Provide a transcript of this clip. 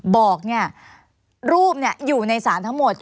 บอกรูปอยู่ในศาลทั้งหมด